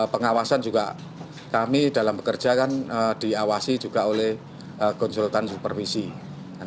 pengawasan juga kami dalam bekerja kan diawasi juga oleh kementerian kepala tepung